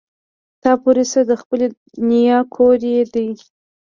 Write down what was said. تا پورې څه د خپلې نيا کور يې دی.